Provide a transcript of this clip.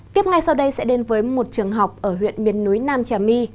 tiếp ngay sau đây sẽ đến với một trường học ở huyện miền núi nam trà my